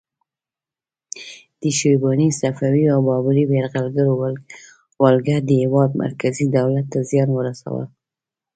د شیباني، صفوي او بابري یرغلګرو ولکه د هیواد مرکزي دولت ته زیان ورساوه.